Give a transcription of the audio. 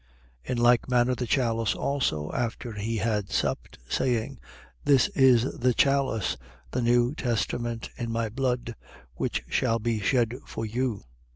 In like manner, the chalice also, after he had supped, saying: This is the chalice, the new testament in my blood, which shall be shed for you.